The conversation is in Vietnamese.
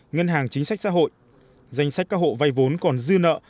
ngân hàng chính sách xã hội danh sách các hộ vay vốn còn dư nợ